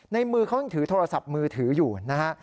มือเขายังถือโทรศัพท์มือถืออยู่นะฮะ